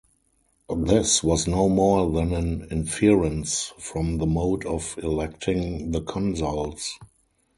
This was no more than an inference from the mode of electing the consuls.